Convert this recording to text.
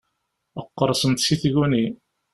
Qqerṣent si tguni.